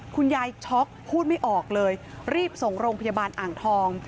ช็อกพูดไม่ออกเลยรีบส่งโรงพยาบาลอ่างทอง